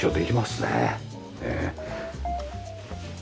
ねえ。